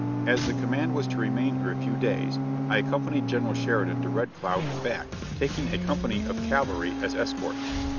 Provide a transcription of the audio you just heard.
As the command was to remain here a few days, I accompanied General Sheridan to Red Cloud and back, taking a company of cavalry as escort.